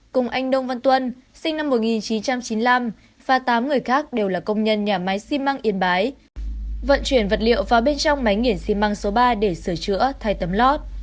cùng anh đông văn tuân sinh năm một nghìn chín trăm chín mươi năm và tám người khác đều là công nhân nhà máy xi măng yên bái vận chuyển vật liệu vào bên trong máy nghiền xi măng số ba để sửa chữa thay tấm lót